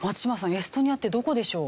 エストニアってどこでしょう？